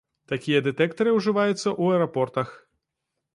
Такія дэтэктары ўжываюцца ў аэрапортах.